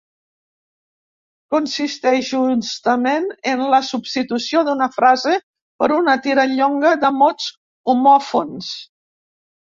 Consisteix justament en la substitució d'una frase per una tirallonga de mots homòfons.